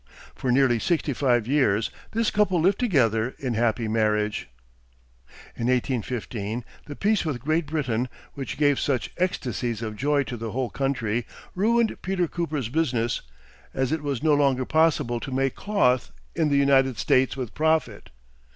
For nearly sixty five years this couple lived together in happy marriage. In 1815 the peace with Great Britain, which gave such ecstasies of joy to the whole country, ruined Peter Cooper's business; as it was no longer possible to make cloth in the United States with profit.